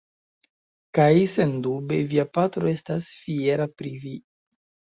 Kaj, sendube, via patro estas fiera pri vi.